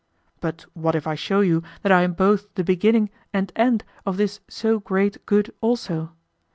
But what if I show you that I am both the beginning and end of this so great good also?